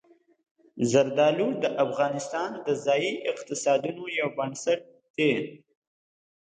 زردالو د افغانستان د ځایي اقتصادونو یو بنسټ دی.